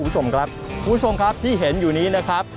คุณผู้ชมครับคุณผู้ชมครับที่เห็นอยู่นี้นะครับ